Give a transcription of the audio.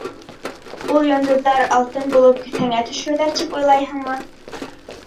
— Ул йондоҙҙар алтын булып кеҫәңә төшөрҙәр, тип уйлайһыңмы?